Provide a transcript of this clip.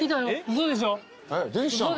嘘でしょ？